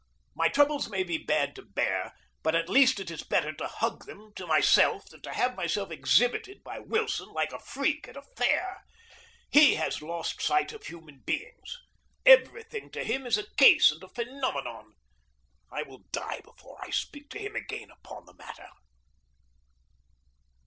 My troubles may be bad to hear, but at least it is better to hug them to myself than to have myself exhibited by Wilson, like a freak at a fair. He has lost sight of human beings. Every thing to him is a case and a phenomenon. I will die before I speak to him again upon the matter.